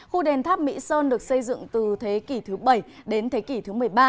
khu đền tháp mỹ sơn được xây dựng từ thế kỷ thứ bảy đến thế kỷ thứ một mươi ba